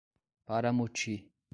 Paramoti